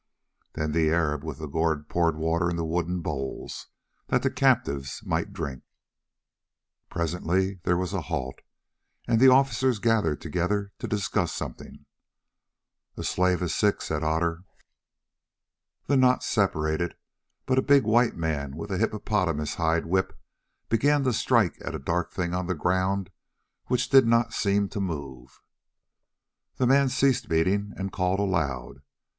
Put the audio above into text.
Then the Arab with the gourd poured water into wooden bowls, that the captives might drink. Presently there was a halt, and the officers gathered together to discuss something. "A slave is sick," said Otter. The knot separated, but a big white man with a hippopotamus hide whip began to strike at a dark thing on the ground which did not seem to move. The man ceased beating and called aloud.